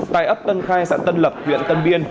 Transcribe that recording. tài ấp tân khai sản tân lập huyện tân biên